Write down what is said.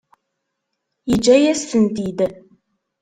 Yeǧǧa-yas-tent-id.